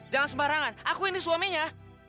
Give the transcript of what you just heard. jangan sembarangan aku ini suaminya